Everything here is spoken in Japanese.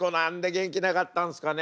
「元気なかったんですかね」？